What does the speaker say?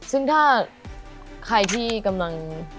ซึ่งถ้าใครที่กำลัง